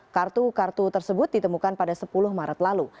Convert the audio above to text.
kartu kartu tersebut ditemukan pada sepuluh maret lalu